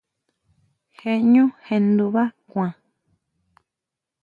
Je ʼñú sjendubá kuan.